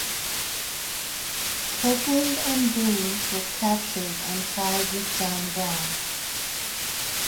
Copeland and Green were captured and tried with John Brown.